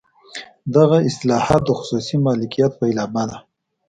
دغه اصلاحات د خصوصي مالکیت پیلامه ده.